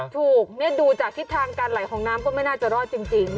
ถูกดูจากทิศทางการไหลของน้ำก็ไม่น่าจะรอดจริง